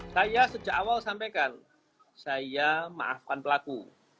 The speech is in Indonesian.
saya sejak awal sampaikan saya maafkan pelaku